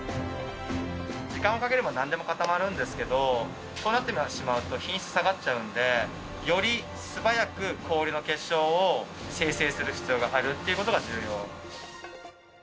時間をかければなんでも固まるんですけどそうなってしまうと品質下がっちゃうんでより素早く氷の結晶を生成する必要があるってことが重要。